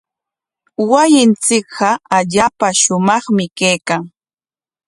Wasinchikqa allaapa shumaqmi kaykan.